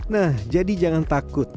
nah jadi jangan takut